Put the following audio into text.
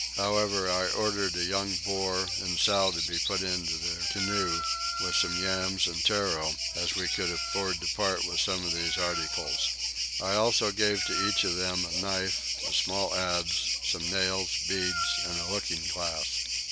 However I ordered a young boar and sow to be put into their canoe with some yams and tarro, as we could afford to part with some of these articles. I also gave to each of them a knife, a small adze, some nails, beads, and a looking glass.